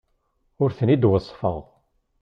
Ur ten-id-weṣṣfeɣ.